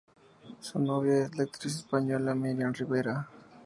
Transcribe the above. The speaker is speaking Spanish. Su novia es la actriz española Marian Rivera.